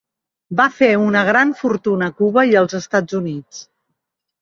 Va fer una gran fortuna a Cuba i els Estats Units.